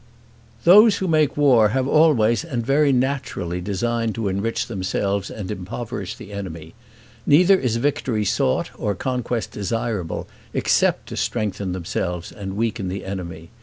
Those who make war have always and very naturally designed to enrich themselves and impoverish the enemy; neither is victory sought or conquest desirable, except to strengthen themselves and weaken the enemy.